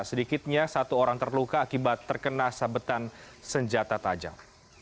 sedikitnya satu orang terluka akibat terkena sabetan senjata tajam